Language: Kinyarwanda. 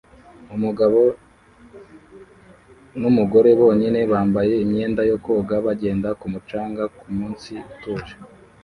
Umugabo n'umugore bonyine bambaye imyenda yo koga bagenda ku mucanga kumunsi utuje